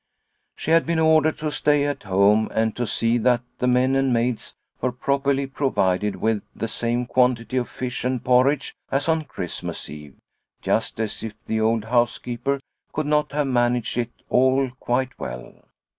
She had been ordered to stay at home and see that the men and maids were property pro vided with the same quantity of fish and 87 88 Liliecrona's Home porridge as on Christmas Eve, just as if the old housekeeper could not have managed it all quite well.